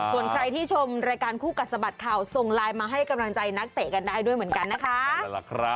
ส่วนใครที่ชมรายการคู่กัดสะบัดข่าวส่งไลน์มาให้กำลังใจนักเตะกันได้ด้วยเหมือนกันนะคะ